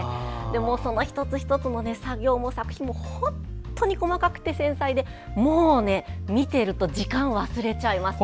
その一つ一つの作業も、作品も本当に細かくて繊細でもう、見ていると時間を忘れちゃいます。